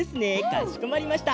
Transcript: かしこまりました。